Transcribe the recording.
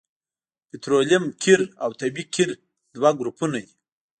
پطرولیم قیر او طبیعي قیر دوه ګروپونه دي